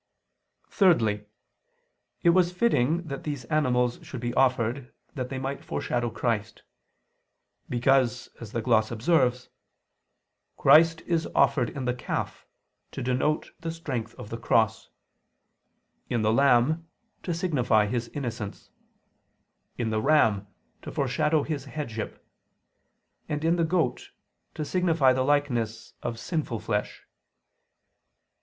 Thirdly, it was fitting that these animals should be offered, that they might foreshadow Christ. Because, as the gloss observes, "Christ is offered in the calf, to denote the strength of the cross; in the lamb, to signify His innocence; in the ram, to foreshadow His headship; and in the goat, to signify the likeness of 'sinful flesh' [*An allusion to Col. 2:11 (Textus Receptus)].